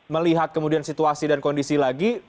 melihat kemudian situasi dan kondisi lagi